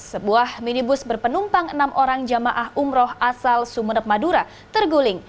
sebuah minibus berpenumpang enam orang jamaah umroh asal sumeneb madura terguling